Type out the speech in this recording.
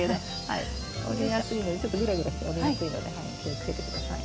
折れやすいのでちょっとグラグラして折れやすいので気をつけて下さい。